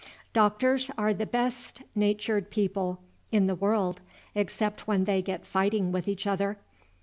"Doctors are the best natured people in the world, except when they get fighting with each other.